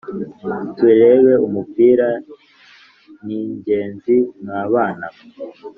Turebe umupira ninjyenzi mwa bana mwe